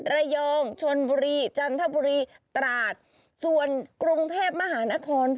ระยองชนบุรีจันทบุรีตราดส่วนกรุงเทพมหานคร